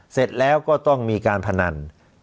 เสร็จแล้วก็ต้องมีการพนัน